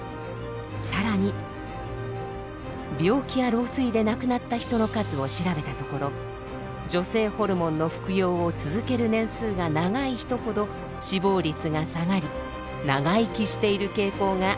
更に病気や老衰で亡くなった人の数を調べたところ女性ホルモンの服用を続ける年数が長い人ほど死亡率が下がり長生きしている傾向が明らかになったのです。